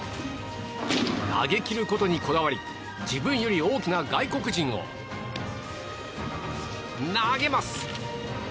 投げ切ることにこだわり自分よりも大きな外国人を投げます！